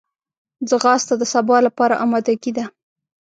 ځغاسته د سبا لپاره آمادګي ده